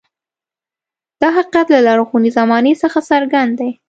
دا حقیقت له لرغونې زمانې څخه څرګند دی.